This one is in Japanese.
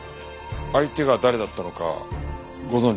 相手が誰だったのかご存じなんですか？